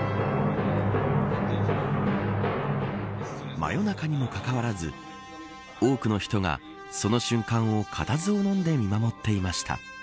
真夜中にもかかわらず多くの人がその瞬間を固唾をのんで見守っていました。